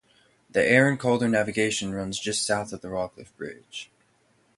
The Aire and Calder Navigation runs just south of Rawcliffe Bridge.